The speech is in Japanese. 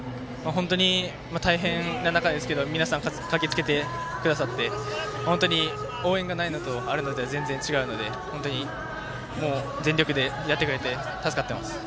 本当に大変な中ですけど皆さん、駆けつけてくださって本当に応援がないのとあるのとでは全然違うので本当に全力でやってくれて助かってます。